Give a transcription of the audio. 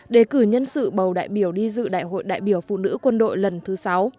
để cử nhân sự bầu đại biểu đi dự đại hội đại biểu phụ nữ quân đội lần thứ sáu